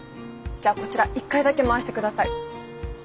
じゃあこちら１回だけ回して下さい。